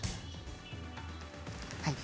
はい。